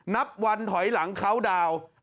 นับวันถอยหลังเข้าดาวน์